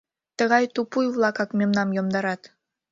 — Тыгай тупуй-влакак мемнам йомдарат!